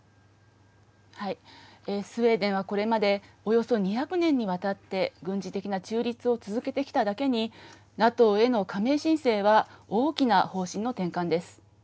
スウェーデンはこれまでおよそ２００年にわたって軍事的な中立を続けてきただけにＮＡＴＯへの加盟申請は大きな方針の転換です。